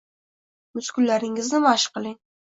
muskullaringizni mashq qiling